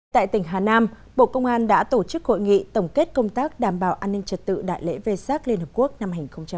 tại tỉnh hà nam bộ công an đã tổ chức hội nghị tổng kết công tác đảm bảo an ninh trật tự đại lễ vê sát liên hợp quốc năm hai nghìn một mươi chín